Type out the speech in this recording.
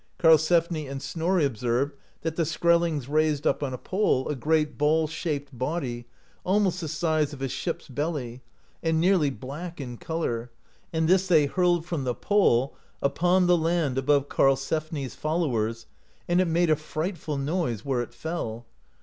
Karlsefni and Snorri ob served that the Skrellings raised up on a pole a great S6 HOIV A WOMAN VANQUISHED THE NATIVES ball shaped body, almost the size of a sheep's belly, and nearly black in colour, and this they hurled from the pole upon the land above Karlsefni's followers, and it made a frightful noise where it fell.